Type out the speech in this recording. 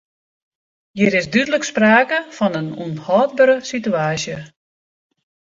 Hjir is dúdlik sprake fan in ûnhâldbere situaasje.